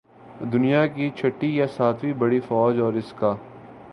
دنیا کی چھٹی یا ساتویں بڑی فوج اور اس کا